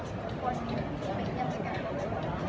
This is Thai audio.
มันเป็นสิ่งที่จะให้ทุกคนรู้สึกว่า